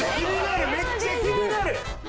めっちゃ気になる！